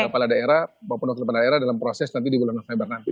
kepala daerah maupun wakil kepala daerah dalam proses nanti di bulan november nanti